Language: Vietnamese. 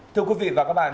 thưa quý vị và các bạn